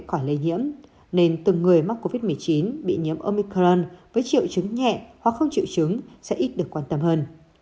khỏi lây nhiễm nên từng người mắc covid một mươi chín bị nhiễm omicron với triệu chứng nhẹ hoặc không chịu chứng sẽ ít được quan tâm hơn